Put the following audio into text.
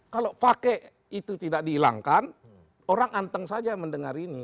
kalau pakai itu tidak dihilangkan orang anteng saja mendengar ini